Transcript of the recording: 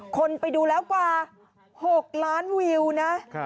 คนไปดูแล้วกว่า๖ล้านวิวนะ